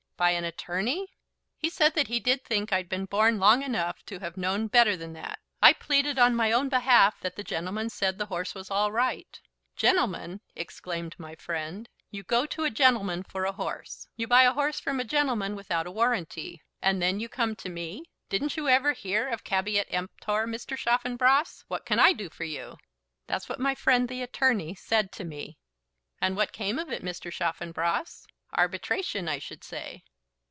"By an attorney!" "He said that he did think I'd been born long enough to have known better than that! I pleaded on my own behalf that the gentleman said the horse was all right. 'Gentleman!' exclaimed my friend. 'You go to a gentleman for a horse; you buy a horse from a gentleman without a warranty; and then you come to me! Didn't you ever hear of Caveat emptor, Mr. Chaffanbrass? What can I do for you?' That's what my friend, the attorney, said to me." "And what came of it, Mr. Chaffanbrass? Arbitration, I should say?"